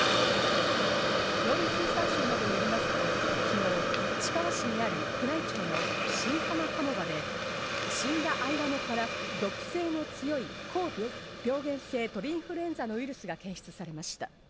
農林水産省などによりますと昨日、市川市にある宮内庁の新浜鴨場で死んだアイガモから毒性の強い高病原性鳥インフルエンザのウイルスが検出されました。